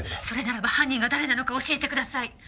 それならば犯人が誰なのか教えてください！